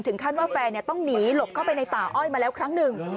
ขั้นว่าแฟนต้องหนีหลบเข้าไปในป่าอ้อยมาแล้วครั้งหนึ่ง